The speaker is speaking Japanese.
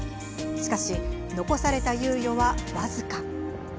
しかし、残された猶予は僅か。